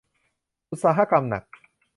อุตสาหกรรมหนัก